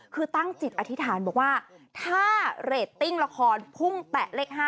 คือตั้งจิตอธิษฐานบอกว่าถ้าเรตติ้งละครพุ่งแตะเลข๕